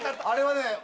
あれはね。